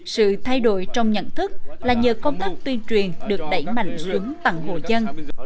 sự thay đổi trong nhận thức là nhờ công tác tuyên truyền được đẩy mạnh xuống tặng hồ dân